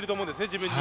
自分に。